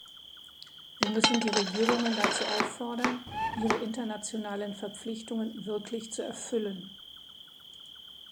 Wir müssen die Regierungen dazu auffordern, ihre internationalen Verpflichtungen wirklich zu erfüllen.